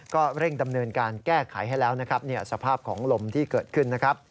ก็เร่งดำเนินการแก้ขายให้แล้วสภาพของลมที่เกิดขึ้น